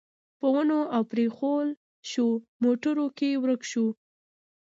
په ونو او پرېښوول شوو موټرو کې ورک شو.